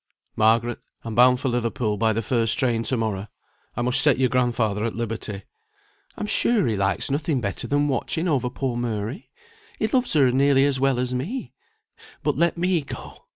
"Margaret, I'm bound for Liverpool by the first train to morrow; I must set your grandfather at liberty." "I'm sure he likes nothing better than watching over poor Mary; he loves her nearly as well as me. But let me go!